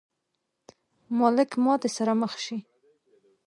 مالک ماتې سره مخ شي.